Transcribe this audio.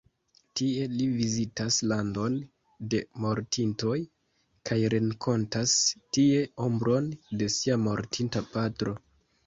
Tie li vizitas Landon de Mortintoj kaj renkontas tie ombron de sia mortinta patro.